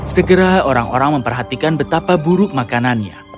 segera orang orang memperhatikan betapa buruk makanannya